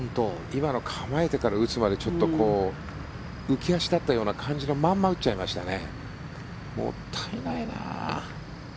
今の構えてから打つまでちょっと浮足立ったような感じのまんま打っちゃいましたね。